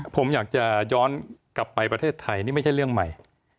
ผมอยากจะย้อนกลับไปประเทศไทยนี่ไม่ใช่เรื่องใหม่